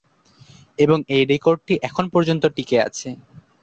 এবং এই রেকর্ডটি এখন পর্যন্ত টিকে আছে।